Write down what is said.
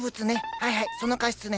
はいはいそのカシスね。